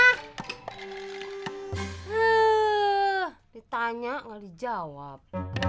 heee ditanya gak dijawab